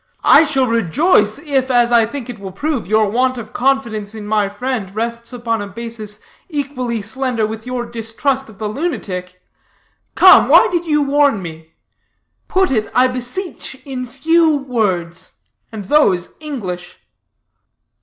I shall rejoice, if, as I think it will prove, your want of confidence in my friend rests upon a basis equally slender with your distrust of the lunatic. Come, why did you warn me? Put it, I beseech, in few words, and those English."